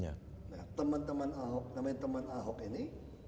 nah teman teman ahok namanya teman ahok ini